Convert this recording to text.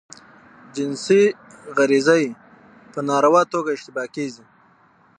جنسی غریزه ئې په ناروا توګه اشباه کیږي.